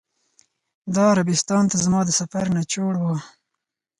دا عربستان ته زما د سفر نچوړ و.